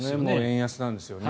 円安なんですよね。